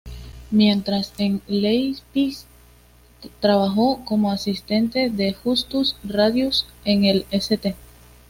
Mientras en Leipzig, trabajó como asistente de Justus Radius en el St.